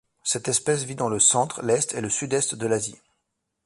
Cette espèce vit dans le centre, l'est et le Sud-Est de l'Asie.